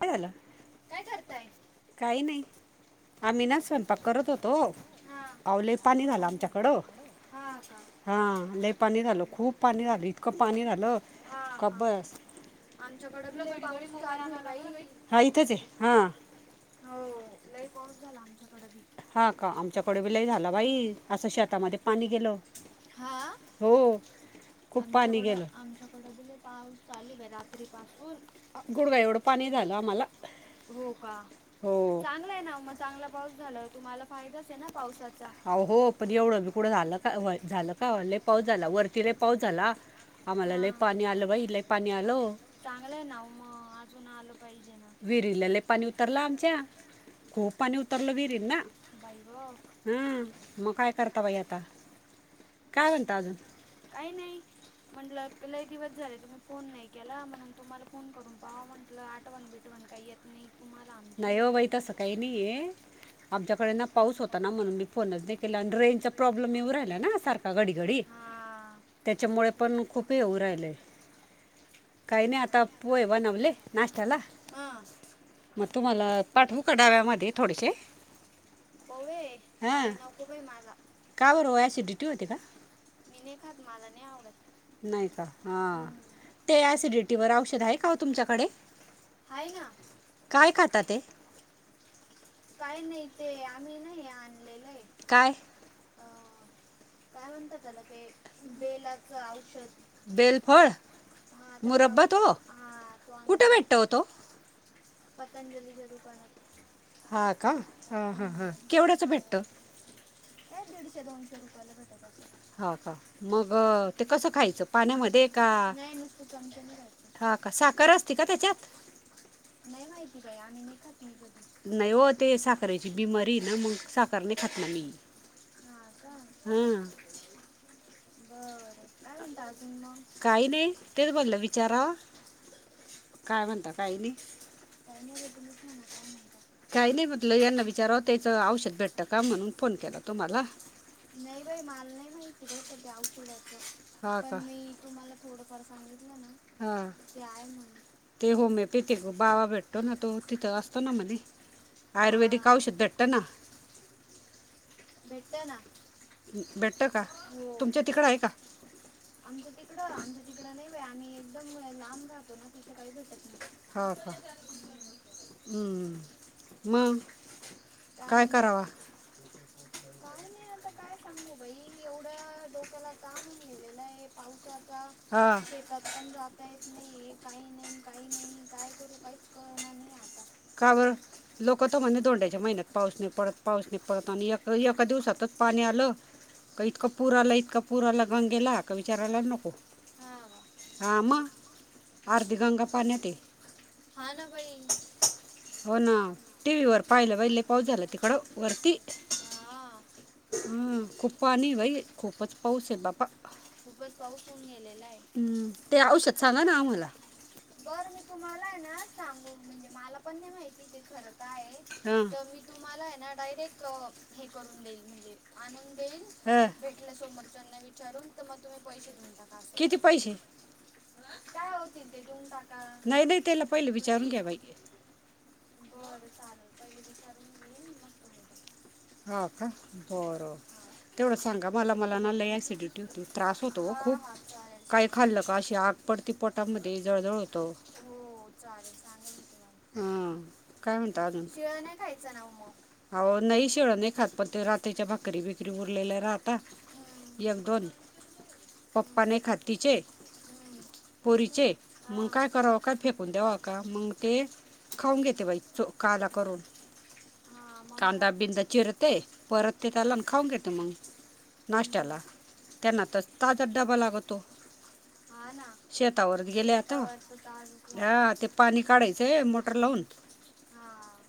काय झालं? काय करताय? आम्ही ना स्वयंपाक करत होतो. [unintelligible] झाल खूप पाणी झालं इतकं पाणी झालं कां बस. हा इथेचये हा. हो लई पाऊस झाला आमच्याकड बी आमच्याकड बी लई झाला बाई असं शेतामध्ये पाणी गेलं. हाआ. [unintelligible] अ गुडगा एवढं पाणी झालं आम्हाला हो. [inaudible] पण एवढं बी कुडं झालं का व्हय झालं का लय पाऊस झाला वरती लई पाऊस झाला. आम्हाला लय पाणी आलं बाई लयं पाणी आलं. चांगलंय ना ओ. खूप पाणी उतरलं विहिरीनां, हंम मग काय करता बाई आता. [inaudible] काही नाही. म्हटलं लईदिवस झाले तुम्ही फोन नाही केला म्हणून तुम्हाला फोन करून पाहा म्हटलं आठवण आठवण काही येत नाही तुम्हाला आमची. आमच्याकडे ना पऊस होता ना म्हणून मी फोनच नई केला आणि रेंज चा प्रॉब्लेम येऊ राहिला ना सारख. का घडी घडी त्याच्यामुळे पण खूप येऊ राहिलंय. काही नाही आता पोहे बनवले नाष्ट्याला. मग तुम्हाला पाठवू का डब्यामध्ये थोडेसे. पोहे पोहे नको बाई मला. काय बर हो. ॲसीडीटी होते का. मी नई खात. मला नाही आवडत. नाही का‌ हा, ते ऑसॉडिटी वर औषध आहे का ओ तुमच्याकडे. आहे ना. काय खाता ते. काय नाही ते आम्ही नाही आणलेलंय. काय? काय म्हणतात त्याला ते बेलाच औषध. बेलफळ हा त्याचा औषध. हा तो आणल होत. पतंजलीच्या दुकानात हा का. हा हा हा केवढ्याच भेटत. काय दीडशे दोनशे रुपयाला भेटत असंल. ह का मग ते कसं खायचं पाण्यामध्ये का. नाय नुसत हा का साखर असती का त्याच्यात. नाही माहिती बाई आम्ही नाही खात. मी कधी नाही हो ते साखरेची बीमारी ना. मग साखर नाही खात ना मी. हा का हा बर काही नाही तेच बोललं विच विचारा काय म्हणता काय नाही. काही नाही म्हटल यांना विचाराव त्याच औषध भेट ट का म्हणून फोन केला तुम्हाला. नाही बाई माल नाही माहिती बरका त्या औषधाच. पण मी तुम्हाला थोडफार सांगितल ना. ते आहे म्हणून. ते होमिओपॅथिक बाबा भेटतो ना. तो तिथ असतो ना म्हणे. आयुर्वेदिक औषध भेटत ना. भेटत ना. भेटत का? तुमच्या तिकडं आहे का? आमचं तिकड आमच्या तिकड नाही बाई. आम्ही एकदम लांब राहतो ना तिथ काही भेटत नाही. हो का हम्म मग काय करावा? काय नाही, आता काय सांगू बाई एवढं डोक्याला ताण होऊन गेलेला आहे पावसाचा, शेतात पण नाही जात काहीच नाही. काय नाही. काय करू काहीच कळेना आता. का बरं? लोक त म्हणे धोंड्याच्या महिन्यात पाऊस नाही पडत. पाऊस नाही पडत. आणि एक एका दिवसातच पाणी आल की इतक पुर आला इतका पुर आला गंगेला का विचारायला नको. हा मग आर्धी गंगा पाण्यात आहे. हा ना बाई. हा हम्म खूप पाणी बाई. खूपच पाऊस आहे बाबा. हम्म ते औषध सांगा ना आम्हाला. बरं मी तुम्हाला आहे ना सांगु म्हणजे मला पण नाही माहिती ते खरं काय आहे. हम्म तर मी तुम्हाला आहे ना डायरेक्ट हे करून देईन आनुन देईन. हम्म भेटलं तर त्यांना विचारून त मग तुम्ही पैसे देऊन टाका. किती पैसे. काय होतील ते देऊन टाका. नाई बई त्याला पहिले विचारून घ्या बाई. [unintelligible] हा का बर. तेवढं सांगा मला. मला ना लय ॲसॉडिटी होती. त्रास होतो. होतो हो खूप. काय खाल्लं का अशी आग पडती पोटामध्ये. जळजळ होत. हो चालेल, सांगल मी तुम्हाला. हम्म काय म्हणता अजून, शीळ नाही खायच ना हो म. अहो नाही शीळ नाही खात. पण ते रात्रीच्या भाकरी बिकरी उरलेल्या राहता, एक, दोन पप्पा नाही खात तिचे पोरीचे मग काय करावं, काय फेकून द्यावा का? मग ते खाऊन घेते बाई तो काला करून कांदा बिंदा चिरते, परतते, त्याला खाऊन घेतो मग नाश्त्याला, त्यांना तर ताजाच डबा लागतो हा, ना शेतावर गेले आता, हा ते पाणी काढायचंय मोटर लावून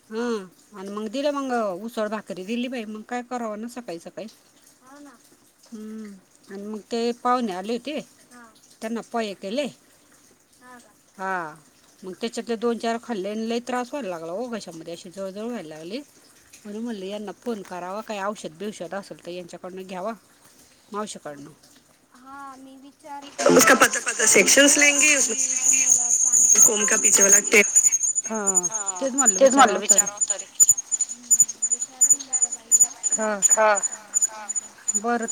हंम आणि मग दिलं मंग उसळ दाख तरी दिली बाई, मग काय करावं ना, सकाळी सकाळी हा, ना हम्म, आणि मग ते पाहूणे आले होते, त्यांना पोहे केले, हा, ना, हा मग त्याच्यातले दोन चार खल्ल्या, लय त्रास व्हायला लागला हो घशामध्ये, अशी जळजळ व्हायला लागली म्हणून म्हणलं यांना फोन करावा काही औषध बिवषध आसल तर यांच्याकडून घ्यावा हा, मी बी उसका पता सेकशन लेंगे उनका पिचावाला टेप, हं, तेच म्हटलं विचाराव तरी हम् ह हा हा,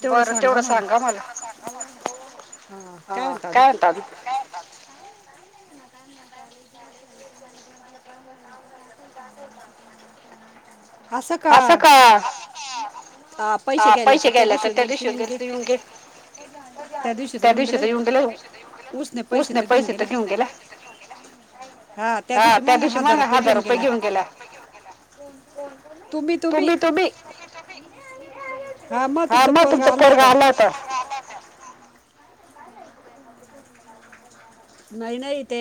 बरं तेवढं सांगा मला. हा, काय म्हणतात? काय हातात? असं का? हा पैसे घ्यायला तर त्या दिवशी गेलते, येऊन घे त्या दिवशी तर येऊन गेला, उसने पैसे तर घिऊन गेला हा, त्या दिवशी मागा हजार रुपये पैसे घेऊन गेला, तुम्ही, तुम्ही हा, म, तुमचा पोरगा आला होता कामाचं नाही नाही ते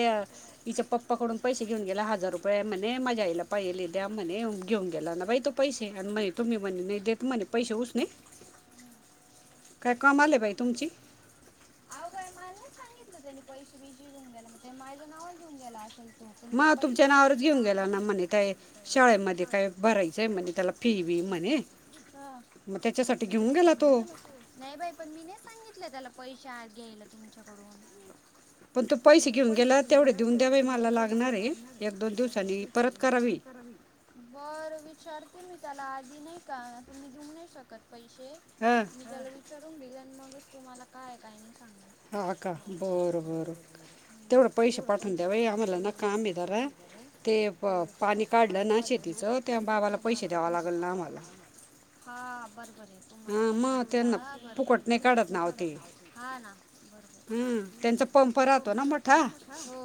तिच्या पप्पाकडून पैसे घेऊन गेला हजार रुपये म्हणे माझ्या आईला पाहि लि द्या म्हणे घेऊन गेला ना बाई तो पैसे म्ह तुम्ही म्हणे नाही देत म्हणे पैसे उसने नाही देतमने काय कामाल बाई तुमची अहो बाई मला नाही सांगितलं त्यांनी पैसे बिशसे घेऊन गेला, मग ते माझ्या नावावर घेऊन गेला असल म तुमच्या नावावरच घेऊन गेला ना, म्हणे काय शाळेमध्ये काय, भरायचंय म्हणे त्याला फी, बी, म्हणे, म त्याच्यासाठी घेऊन गेला तो पण मी नाही सांगितलं, त्याला पैसे घ्यायला तुमच्याकडून पण तो पैसे घेऊन गेला तेवढे देऊन द्यावे, मला लागणार आहे एक दोन दिवसनी परत करावी बरं विचारते मी त्याला, आधी नाही का, तुम्ही देऊ नाही शकत पैसे हा त्याला विचारून घेल आणि मगच तुम्हाला काय, काय नाही सांगाल हा, का, बरं, बरं तेवढं पैसे पाठवून द्या बाई, आम्हाला नका आम्ही दरा ते प पाणी काढलं ना शेतीचं, त्या बाबाला पैसे द्यावा लागल ना आम्हाला हा, बरबर आहे हा म ते ना पूकट फूकट नाही नाव काठत ते हाव ना बरोबर तयाच पोट नाही भरत मोठा हो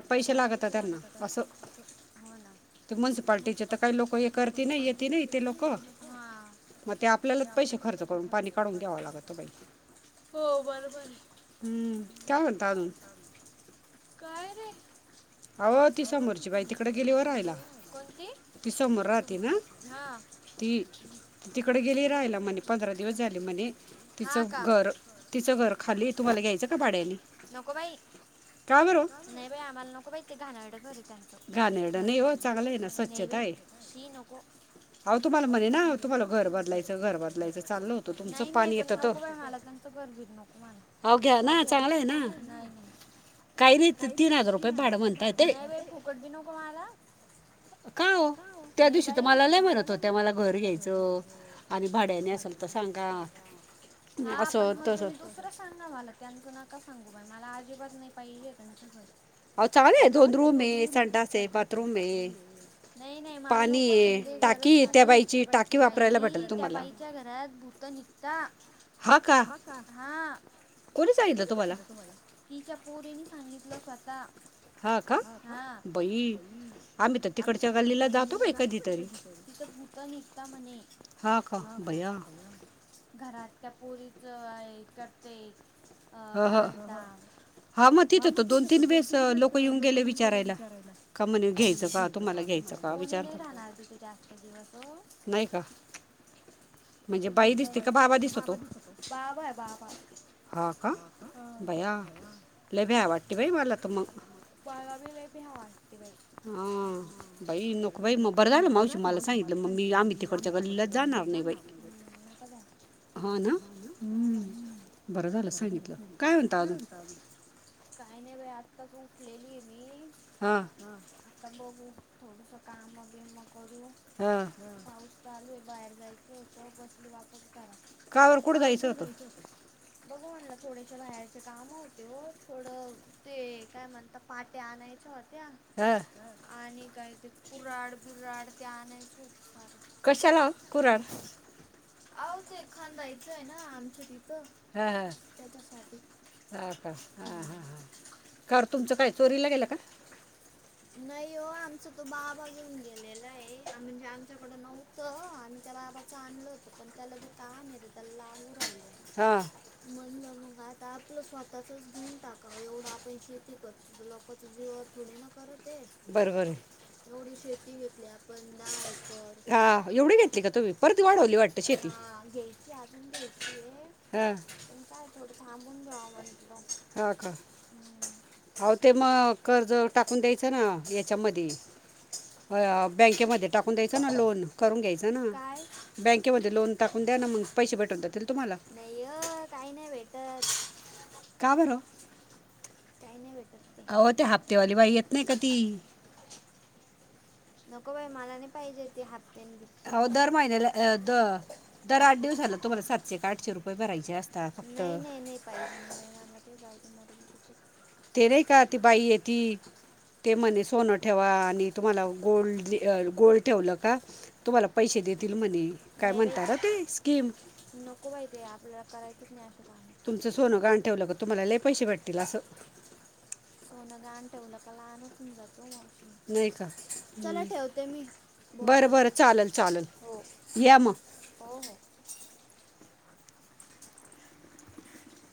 मग त्याला पैसे लागत त्यांना असं हो ना ते म्यन्सिपाल्टीचे तर काही लोक हे करती नाही येते ना इथे लोकं हा मग ते आपल्यालाच पैसे खर्च करून पाणी काढून द्यावं लागत बाई हो बरोबर हम्म काय म्हणत अजून काय रे अव ती समोरची बाई तिकडे गेलीमने रायले कोणती समोर राहती ना ती तिकडे गेली राहिला म्हणे पंधरा दिवस झाले म्हणे तिचं घर तिचं घर खाली तुम्हाला घ्यायचं का भाड्याने नको बाई नाही बाई आम्हाला नको बाई ते घाणेरड घर त्यांच घानेरड नाही घर नाही बाई शी नको अ तुम्हाला म्हणे ना तुम्हाला घर बदलायचं घर बदलायचं चाललं होतं तुमचं पाणी येतं तर घरबीर नको मला अव घ्या ना चांगल आहे ना नाही नाही काही नाही तीन हजार रुपयेभाडमणते नाही बाई खुप तकट बी नो क मला का ओ त्या दिवशी तर मला लय मणत होत्या मला घरी घ्यायचं आणि भाड्याने असल हा पण मग तुम्ही दुसरं सांगा मला त्यांचं नका सांगू बाई मला अजिबात नाही पाहिजे त्यांचं घर जागा चांगली दोन रुम आहे सनङास आहे बाथरूम आहे नाही नाही मला नको ते टाकी य त्या बाईची टाकी वापरायला भेटेल तुम्हाला च्या घरात भूत निघता हा कोन सागितलं तुम्हाला तिच्या पोरीनी सांगितलं स्वतः ह बई आम्ही तिच्याकडच्या गाल्लीला जातो बा कधीकधी तिथभुत त निता म्हणे हां का भैया घरात त्या पोरीच करते एक अ काय म्हणता हा मग तिथंतत दोन तीन वेळेस लोक येऊन गेले विचारायला का म्हणे घ्यायचं का तुम्हाला कोणी नाही राहणार तिथे जास्त दिवसहो नाही का तथ ब बा दिसते बाबा दिसतो बाबा आहे बाबा भया ल भ्या वाटते बाई मला तर मग मला बी लय भय्या वाटते बाई हा बाई नको बाई बरं झालं मावस मला सांगितलं मग मी आम्ही तीकडच्या गल्ली लाजाणार नाही ह ना कदो [unintelligible] हा ना बरं झालं सांगितलं काय म्हणता अजून काही नाही बाई आताच उठलेली आहे मी हां ह आता बघू थोडस काम बिम करू हा पाऊस चालू आहे बाहेर जायचं होत बसली वापस घरात काबर कुठं जायचं होतं बघ म्हणलं थोड्याश बाहेरचे काम होते हो थोडं ते काय म्हण आता पाट्या आणायच्या होत्या हम आणि काय ते कुराड बिराड ते आणायच होत सारं कशालाव कुराड हा ह ह का हा हा हा कार तुमचं काय चोरी ला गेल का. नाही हो आमच असं तो बाबा घेऊन गेलेला आहे म्हणजे आमच्याकडं नव्हतं आम्ही त्या बाबाच आणल पण त्याला बी काम आहे त्याला लागू राहिल. म्हणलं मग आता आपलं स्वतःचच घेऊन टाकावं एवढं आपण शेती करतो तर लोक जीवावर थोडे ना करत बर बर हा एवढी घेतली का तुम्ही परत वाढवली वाटते. हा घ्यायची अजून घ्यायची ये हं पण काय थोडं थांबून घ्याव म्हंटलं. ह का आव ते मग कर्ज टाकून द्यायचं ना या त्याच्यामध्ये बँकेमध्ये टाकून द्यायच ना लोन करून घ्यायच ना बँकेमध्ये लोन टाकून द्या ना मग पैसे भेटुन जातील तुम्हाला नाही ओ काही नाही भेटत का बर? काही नाही भेटत ते अव ती हप्त्यावाली बाई येत नाही का ती नको बाई मला नाही पाहिजे ते हफ्त्यानी अव दर महिन्याला अ द दर आठ दिवसाला तुम्हाला सातशे एक आठशे रुपये भरायचे असतात फक्त पाहिजे नाही बाई मला ते जाऊ दे मरू दे तिथेच ते नाही का ती बाई येती ते म्हणे सोनं ठेवा आणि तुम्हाला गोल्ड गोल्ड ठेवलं का तुम्हाला पैसे देतील म्हणे काय म्हणत ना ते स्कीम नको बाई तेे आपल्याला करायचंच नाही असे काम. तुमचं सोनं गहाण ठेवलं का तुम्हाला लई पैसे भेटतील असं सोनं गहाण ठेवलं का लहान च होवुन जात ओ मावशी नाही का चला ठेवते मी बरं बरं चालेल चालेल या मग. हो हो